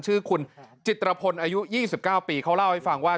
ชื่อคุณจิตรพลอายุ๒๙ปีเขาเล่าให้ฟังว่า